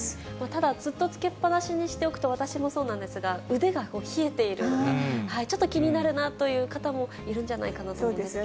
ただ、ずっとつけっ放しにしておくと、私もそうなんですが、腕が冷えているとか、ちょっと気になるなという方もいるんじゃないかなと思うんですけ